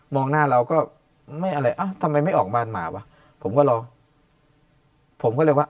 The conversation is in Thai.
หน้าเราก็ไม่อะไรอ้าวทำไมไม่ออกบ้านมาวะผมก็รอผมก็เลยว่า